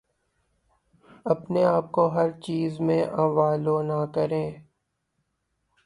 اپنے آپ کو ہر چیز میں انوالو نہ کریں